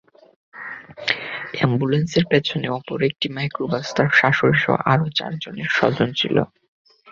অ্যাম্বুলেন্সের পেছনে অপর একটি মাইক্রোবাসে তাঁর শাশুড়িসহ আরও চার স্বজন ছিলেন।